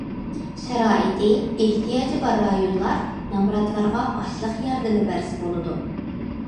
شارائىتى، ئېھتىياجى بار رايونلار نامراتلارغا ئاشلىق ياردىمى بەرسە بولىدۇ.